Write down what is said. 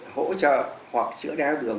hỗ trợ hoặc chữa đá đường